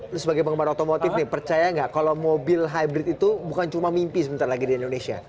lalu sebagai penggemar otomotif nih percaya nggak kalau mobil hybrid itu bukan cuma mimpi sebentar lagi di indonesia